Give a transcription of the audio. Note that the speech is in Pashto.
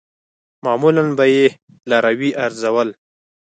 معمولاً به یې لاروي آزارول.